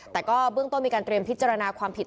แต่ก็เบื้องต้นมีการเตรียมพิจารณาความผิด